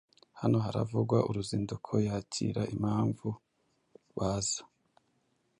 Hano haravugwa uruzinduko yakira impamvu baza